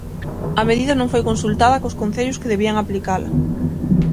A medida non foi consultada cos concellos que debían aplicala.